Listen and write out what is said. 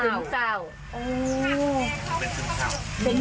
กินมาหลายปีแล้วจังนะ